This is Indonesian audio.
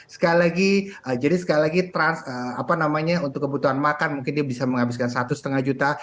sekali lagi jadi sekali lagi untuk kebutuhan makan mungkin dia bisa menghabiskan satu lima juta